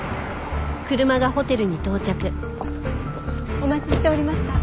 お待ちしておりました。